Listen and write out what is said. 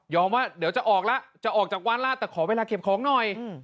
ว่าเดี๋ยวจะออกแล้วจะออกจากวานลาดแต่ขอเวลาเก็บของหน่อย